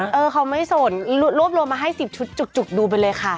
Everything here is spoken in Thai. ก็เขาไม่โสดรวบมาให้ห่วงสิบชุดจุกดูไปเลยค่ะ